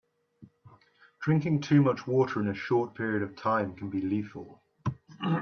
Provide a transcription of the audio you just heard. Drinking too much water in a short period of time can be lethal.